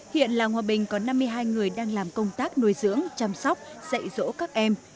hiện làng hòa bình có năm mươi hai người đang làm công tác nuôi dưỡng chăm sóc dạy dỗ các em